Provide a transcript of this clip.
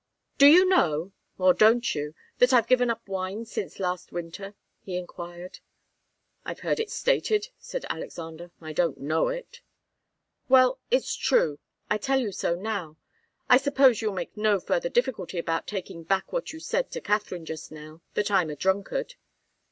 "Do you know or don't you that I've given up wine since last winter?" he enquired. "I've heard it stated," answered Alexander. "I don't know it." "Well it's true. I tell you so now. I suppose you'll make no further difficulty about taking back what you said to Katharine just now that I'm a drunkard?"